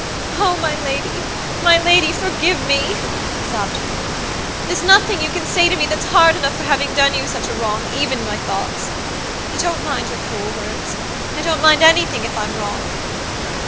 "Oh! my lady, my lady, forgive me," sobbed Phoebe; "there's nothing you can say to me that's hard enough for having done you such a wrong, even in my thoughts. I don't mind your cruel wordsI don't mind anything if I'm wrong."